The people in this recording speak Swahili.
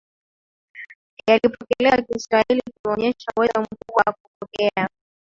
yalipokelewa Kiswahili kimeonyesha uwezo mkubwa wa kupokea